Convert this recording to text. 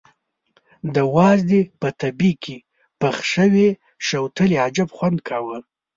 د وازدې په تبي کې پخې شوې شوتلې عجب خوند کاوه.